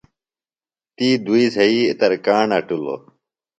تی دُوئی زھئی ترکاݨ اٹِلو۔